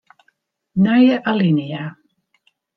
Nije alinea.